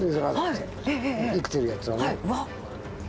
生きてるやつをね。